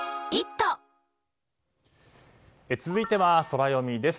続いてはソラよみです。